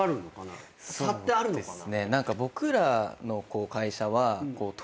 差ってあるのかな？